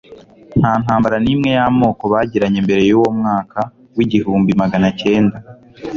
nta ntambara n'imwe y'amoko bagiranye mbere y'uwo mwaka wa igihumbi magana cyenda